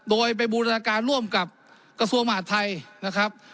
โดยไปบูรณาการร่วมกับกระทรวงมหาดไทยนะครับ